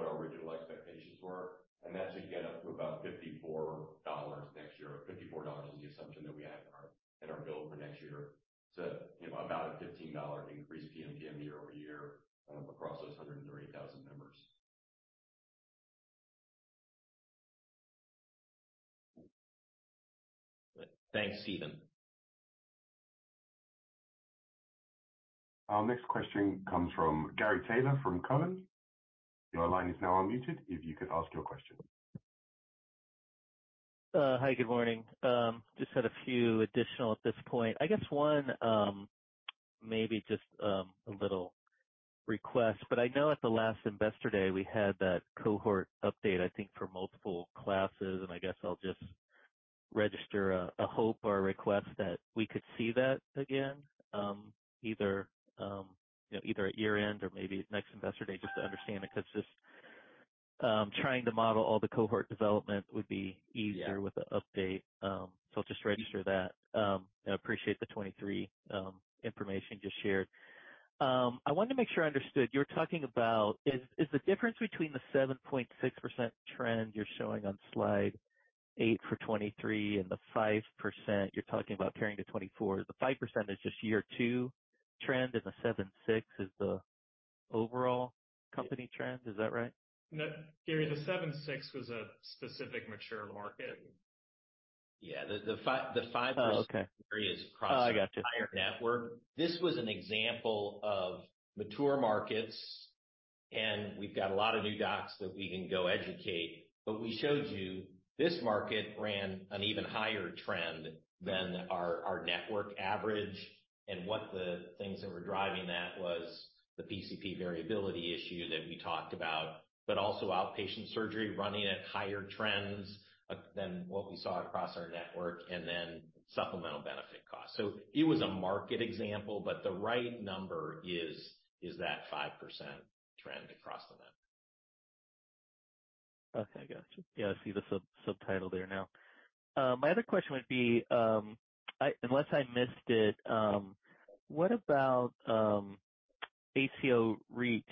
[SPEAKER 5] That's again, up to about $54 next year, or $54 is the assumption that we have in our build for next year. So, you know, about a $15 increase PMPM year-over-year, across those 130,000 members.
[SPEAKER 3] Thanks, Stephen.
[SPEAKER 1] Our next question comes from Gary Taylor from Cowen. Your line is now unmuted, if you could ask your question.
[SPEAKER 10] Hi, good morning. Just had a few additional at this point. I guess one, maybe just, a little request, but I know at the last Investor Day, we had that cohort update, I think, for multiple classes, and I guess I'll just register a, a hope or a request that we could see that again, either, you know, either at year-end or maybe next Investor Day, just to understand it, because just, trying to model all the cohort development would be easier with an update. So I'll just register that. I appreciate the 2023 information you just shared. I wanted to make sure I understood. You're talking about is, is the difference between the 7.6% trend you're showing on slide eight for 2023 and the 5% you're talking about carrying to 2024. The 5% is just Year 2 trend, and the 7.6 is the overall company trend. Is that right?
[SPEAKER 2] No, Gary, the 76 was a specific mature market.
[SPEAKER 3] Yeah, the 5-
[SPEAKER 10] Oh, okay.
[SPEAKER 3] Across-
[SPEAKER 10] I got you.
[SPEAKER 3] The entire network. This was an example of mature markets, and we've got a lot of new docs that we can go educate. But we showed you this market ran an even higher trend than our, our network average, and what the things that were driving that was the PCP variability issue that we talked about, but also outpatient surgery running at higher trends than what we saw across our network, and then supplemental benefit costs. So it was a market example, but the right number is, is that 5% trend across the network.
[SPEAKER 10] Okay, got you. Yeah, I see the sub, subtitle there now. My other question would be, unless I missed it, what about ACO REACH?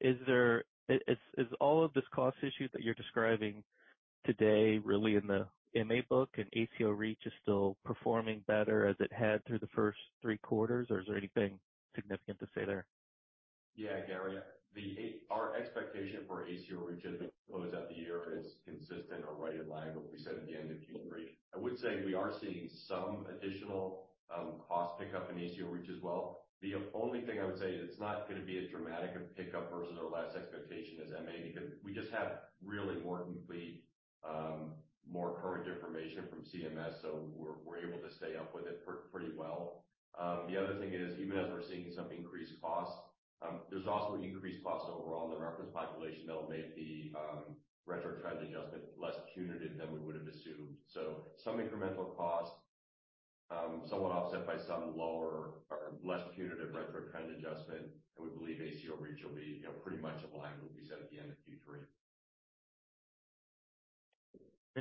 [SPEAKER 10] Is there... Is all of this cost issue that you're describing today really in the MA book, and ACO REACH is still performing better as it had through the first three quarters, or is there anything significant to say there?
[SPEAKER 5] Yeah, Gary, our expectation for ACO REACH as we close out the year is consistent or right in line with what we said at the end of Q3. I would say we are seeing some additional cost pickup in ACO REACH as well. The only thing I would say, it's not going to be as dramatic a pickup versus our last expectation as MA, because we just have really more complete, more current information from CMS, so we're able to stay up with it pretty well. The other thing is, even as we're seeing some increased costs, there's also increased costs overall in the reference population that'll make the retro trend adjustment less punitive than we would have assumed. So some incremental costs, somewhat offset by some lower or less punitive retro trend adjustment, and we believe ACO REACH will be, you know, pretty much in line with what we said at the end of Q3.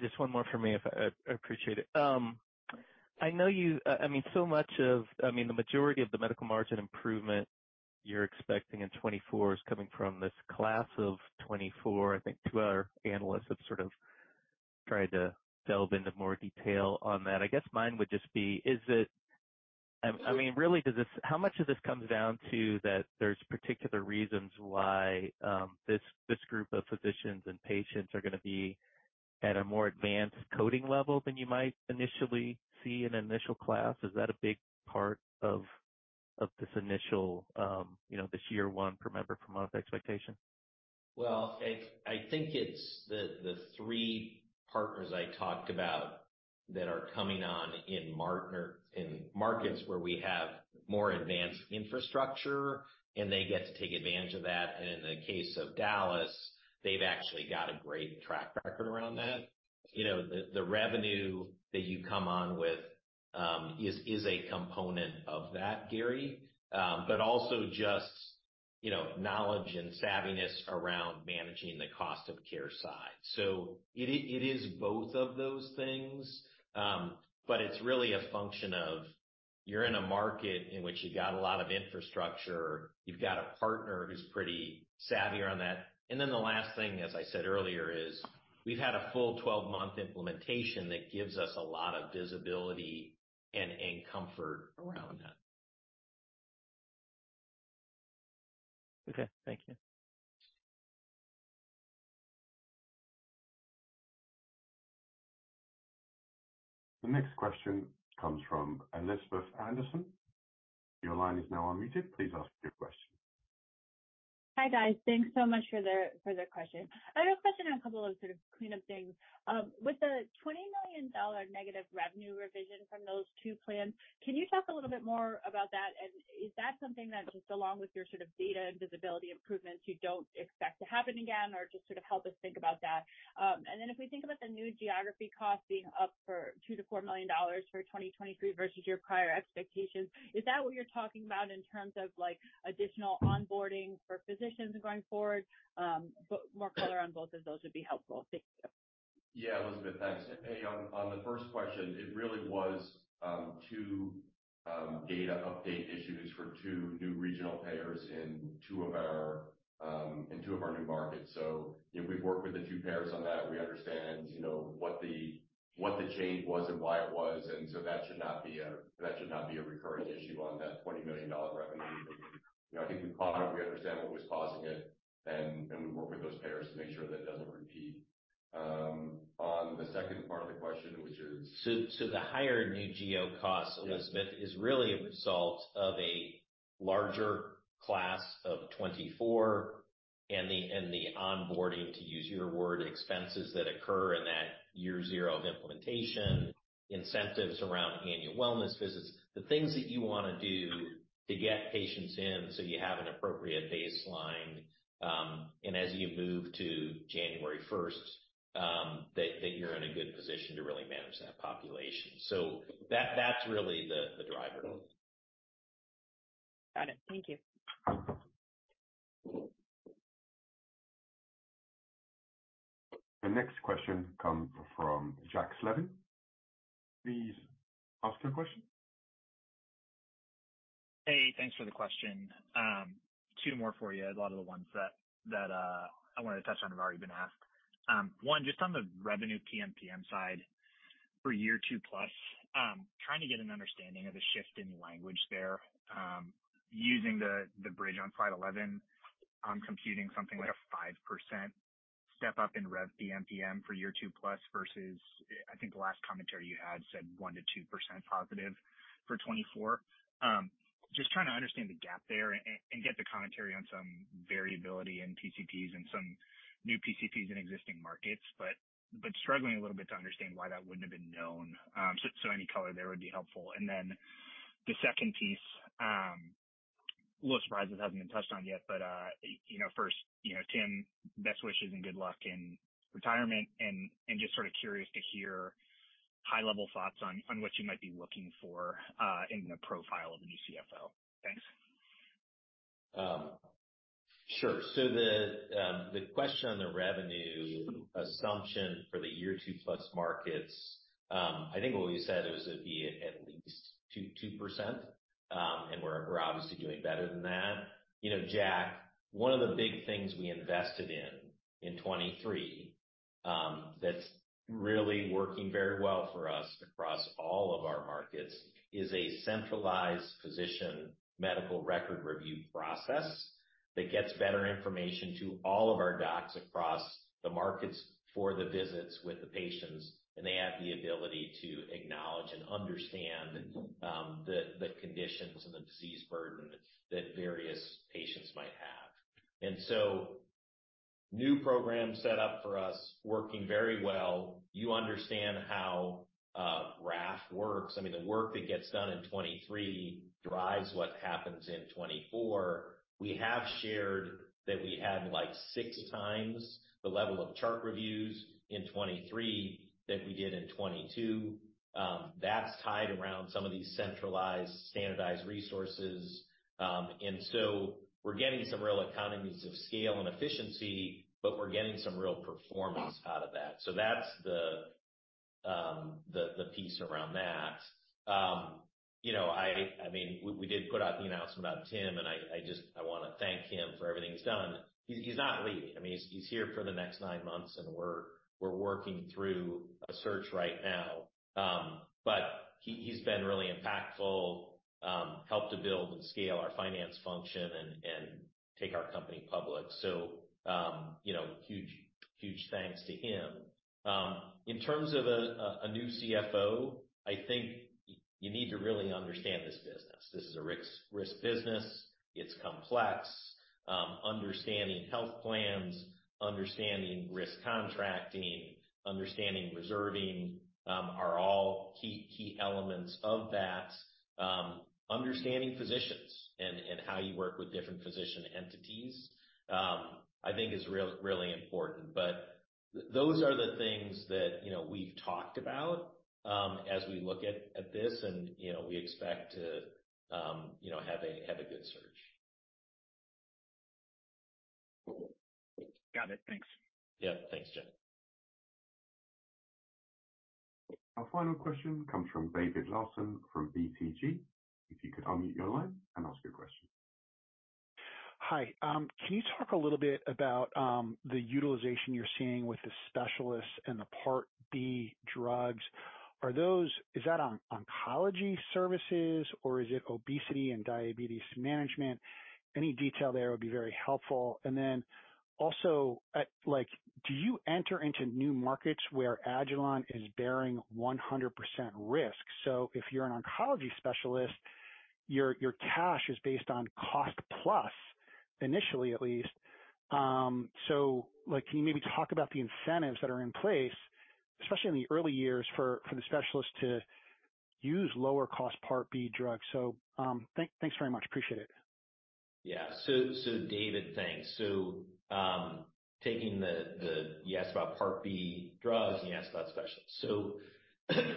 [SPEAKER 10] Just one more for me, if I appreciate it. I know you, I mean, so much of—I mean, the majority of the medical margin improvement you're expecting in 2024 is coming from this Class of 2024. I think two other analysts have sort of tried to delve into more detail on that. I guess mine would just be, is it? I mean, really, does this—how much of this comes down to that there's particular reasons why, this group of physicians and patients are going to be at a more advanced coding level than you might initially see in an initial class? Is that a big part of this initial, you know, this Year 1 per member per month expectation?
[SPEAKER 3] Well, it's, I think it's the three partners I talked about that are coming on in markets where we have more advanced infrastructure, and they get to take advantage of that, and in the case of Dallas, they've actually got a great track record around that. You know, the revenue that you come on with is a component of that, Gary, but also just, you know, knowledge and savviness around managing the cost of care side. So it is both of those things, but it's really a function of you're in a market in which you got a lot of infrastructure, you've got a partner who's pretty savvy on that. And then the last thing, as I said earlier, is we've had a full 12-month implementation that gives us a lot of visibility and comfort around that.
[SPEAKER 10] Okay, thank you.
[SPEAKER 1] The next question comes from Elizabeth Anderson. Your line is now unmuted. Please ask your question.
[SPEAKER 11] Hi, guys. Thanks so much for the question. I have a question on a couple of sort of cleanup things. With the $20 million negative revenue revision from those two plans, can you talk a little bit more about that? And is that something that just along with your sort of data and visibility improvements, you don't expect to happen again or just sort of help us think about that. And then if we think about the new geography costs being up $2-$4 million for 2023 versus your prior expectations, is that what you're talking about in terms of, like, additional onboarding for physicians going forward? But more color on both of those would be helpful. Thank you....
[SPEAKER 5] Yeah, Elizabeth, thanks. Hey, on the first question, it really was two data update issues for two new regional payers in two of our new markets. So we've worked with the two payers on that. We understand, you know, what the change was and why it was, and so that should not be a recurring issue on that $20 million revenue. I think we caught it, we understand what was causing it, and we work with those payers to make sure that it doesn't repeat. On the second part of the question, which is?
[SPEAKER 3] So the higher new geo costs, Elizabeth, is really a result of a larger Class of 2024 and the onboarding, to use your word, expenses that occur in that year zero of implementation, incentives around Annual Wellness Visits, the things that you want to do to get patients in, so you have an appropriate baseline, and as you move to January first, that you're in a good position to really manage that population. So that's really the driver.
[SPEAKER 11] Got it. Thank you.
[SPEAKER 1] The next question comes from Jack Slevin. Please ask your question.
[SPEAKER 12] Hey, thanks for the question. Two more for you. A lot of the ones that I wanted to touch on have already been asked. One, just on the revenue PMPM side, for Year 2+, trying to get an understanding of the shift in language there. Using the bridge on slide 11, I'm computing something like a 5% step up in rev PMPM for Year 2+, versus, I think the last commentary you had said 1%-2% positive for 2024. Just trying to understand the gap there and get the commentary on some variability in PCPs and some new PCPs in existing markets, but struggling a little bit to understand why that wouldn't have been known. So any color there would be helpful. And then the second piece, little surprises hasn't been touched on yet, but, you know, first, you know, Tim, best wishes and good luck in retirement, and, and just sort of curious to hear high-level thoughts on, on what you might be looking for, in the profile of a new CFO. Thanks.
[SPEAKER 3] Sure. So the question on the revenue assumption for the Year 2+ markets, I think what we said it was going to be at least 2.2%, and we're obviously doing better than that. You know, Jack, one of the big things we invested in in 2023, that's really working very well for us across all of our markets, is a centralized physician medical record review process that gets better information to all of our docs across the markets for the visits with the patients, and they have the ability to acknowledge and understand the conditions and the disease burden that various patients might have. And so new program set up for us, working very well. You understand how RAF works. I mean, the work that gets done in 2023 drives what happens in 2024. We have shared that we had, like, 6x the level of chart reviews in 2023 than we did in 2022. That's tied around some of these centralized, standardized resources. And so we're getting some real economies of scale and efficiency, but we're getting some real performance out of that. So that's the piece around that. You know, I mean, we did put out the announcement about Tim, and I just want to thank him for everything he's done. He's not leaving. I mean, he's here for the next nine months, and we're working through a search right now. But he's been really impactful, helped to build and scale our finance function and take our company public. So you know, huge, huge thanks to him. In terms of a new CFO, I think you need to really understand this business. This is a risk business. It's complex. Understanding health plans, understanding risk contracting, understanding reserving, are all key elements of that. Understanding physicians and how you work with different physician entities, I think is really important. But those are the things that, you know, we've talked about, as we look at this, and, you know, we expect to, you know, have a good search.
[SPEAKER 12] Got it. Thanks.
[SPEAKER 3] Yeah. Thanks, Jack.
[SPEAKER 1] Our final question comes from David Larsen, from BTIG. If you could unmute your line and ask your question.
[SPEAKER 13] Hi. Can you talk a little bit about the utilization you're seeing with the specialists and the Part B drugs? Are those... Is that on oncology services, or is it obesity and diabetes management? Any detail there would be very helpful. And then also, like, do you enter into new markets where Agilon is bearing 100% risk? So if you're an oncology specialist, your cash is based on cost plus, initially at least. So like, can you maybe talk about the incentives that are in place, especially in the early years, for the specialists to use lower-cost Part B drugs? So, thanks very much. Appreciate it.
[SPEAKER 3] Yeah. So, David, thanks. So, you asked about Part B drugs, and you asked about specialists. So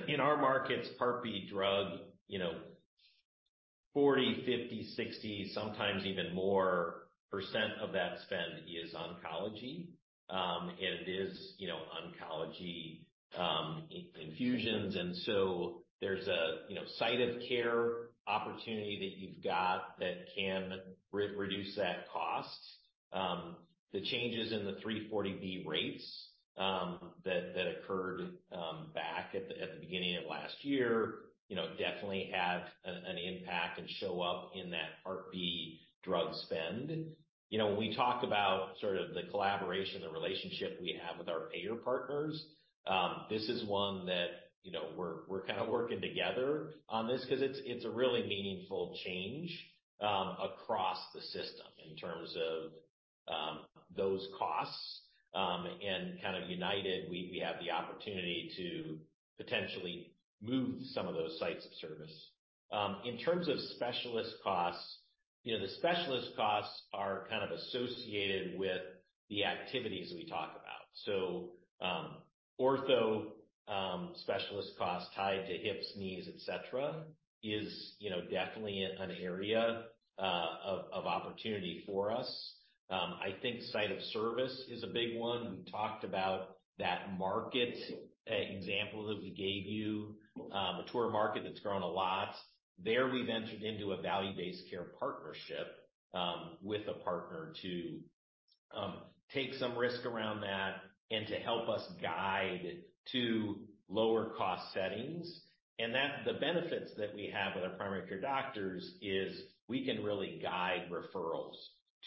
[SPEAKER 3] in our markets, Part B drug, you know 40, 50, 60, sometimes even more percent of that spend is oncology, and it is, you know, oncology infusions. And so there's a, you know, site of care opportunity that you've got that can reduce that cost. The changes in the 340B rates, that occurred back at the beginning of last year, you know, definitely have an impact and show up in that Part B drug spend. You know, when we talk about sort of the collaboration, the relationship we have with our payer partners, this is one that, you know, we're kind of working together on this 'cause it's a really meaningful change across the system in terms of those costs. Kind of united, we have the opportunity to potentially move some of those sites of service. In terms of specialist costs, you know, the specialist costs are kind of associated with the activities we talk about. So, ortho specialist costs tied to hips, knees, et cetera, is definitely an area of opportunity for us. I think site of service is a big one. We talked about that market example that we gave you. A mature market that's grown a lot. There, we've entered into a value-based care partnership with a partner to take some risk around that and to help us guide to lower cost settings. And that, the benefits that we have with our primary care doctors is we can really guide referrals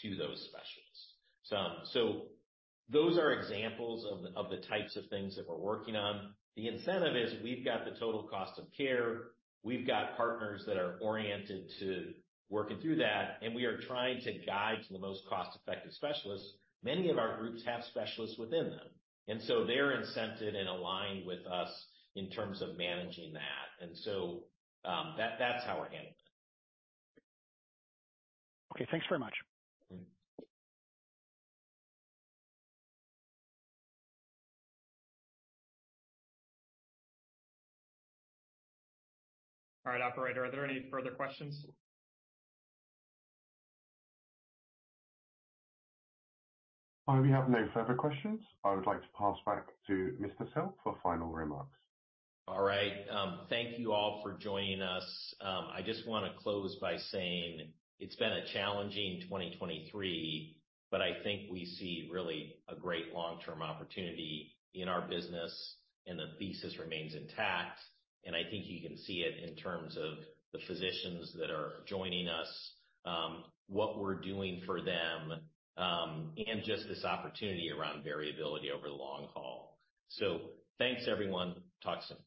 [SPEAKER 3] to those specialists. So those are examples of the types of things that we're working on. The incentive is we've got the total cost of care, we've got partners that are oriented to working through that, and we are trying to guide to the most cost-effective specialists. Many of our groups have specialists within them, and so they're incented and aligned with us in terms of managing that, and so, that, that's how we're handling it.
[SPEAKER 2] Okay, thanks very much.
[SPEAKER 3] Mm-hmm. All right, operator, are there any further questions?
[SPEAKER 2] We have no further questions. I would like to pass back to Mr. Sell for final remarks.
[SPEAKER 3] All right. Thank you all for joining us. I just wanna close by saying it's been a challenging 2023, but I think we see really a great long-term opportunity in our business, and the thesis remains intact. And I think you can see it in terms of the physicians that are joining us, what we're doing for them, and just this opportunity around variability over the long haul. So thanks, everyone. Talk soon.